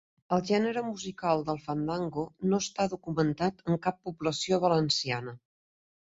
El gènere musical del fandango no està documentat en cap població valenciana.